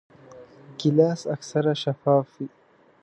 ګیلاس اکثره شفاف وي.